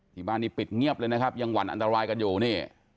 ที่บ้านนี้ปิดเงียบเลยนะครับยังหวั่นอันตรายกันอยู่นี่